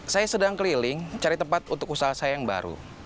saya sedang keliling cari tempat untuk usaha saya yang baru